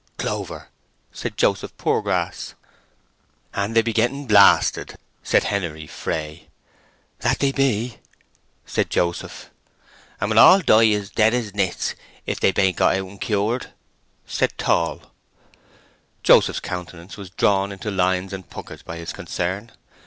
"—Clover!" said Joseph Poorgrass. "And they be getting blasted," said Henery Fray. "That they be," said Joseph. "And will all die as dead as nits, if they bain't got out and cured!" said Tall. Joseph's countenance was drawn into lines and puckers by his concern.